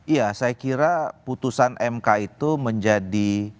ya saya kira putusan mk itu menjadi